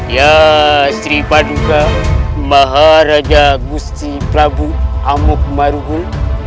ya sri paduka maharaja gusti prabu amuk maruh